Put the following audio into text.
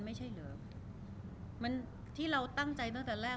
ไม่ใช่เหรอมันที่เราตั้งใจตั้งแต่แรก